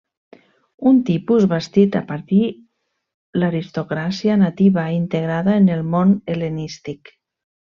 Un tipus bastit a partir l'aristocràcia nativa integrada en el món hel·lenístic.